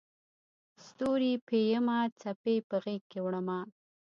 ستوري پېیمه څپې په غیږکې وړمه